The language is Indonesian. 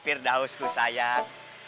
firdaus ku sayang